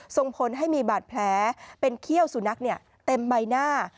ส่งผลให้มีบาดแผลเป็นเขี้ยวสุนัขเต็มใบหน้า